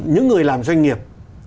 những người làm doanh nghiệp